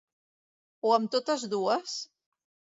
O amb totes dues?